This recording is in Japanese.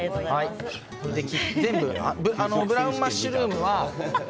ブラウンマッシュルームは。